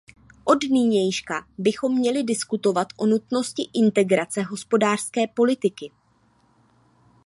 Od nynějška bychom měli diskutovat o nutnosti integrace hospodářské politiky.